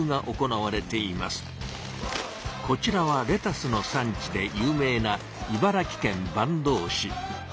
こちらはレタスの産地で有名な茨城県坂東市。